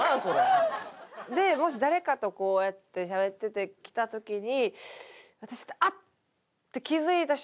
でもし誰かとこうやってしゃべってて来た時に。